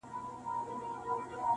چی د ژوند مو هر گړی راته ناورین سی-